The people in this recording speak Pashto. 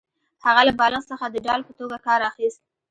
هغه له بالښت څخه د ډال په توګه کار اخیست